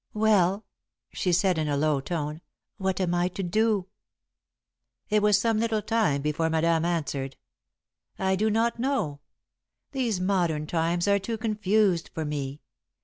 "Well," she said, in a low tone, "what am I to do?" It was some little time before Madame answered. "I do not know. These modern times are too confused for me.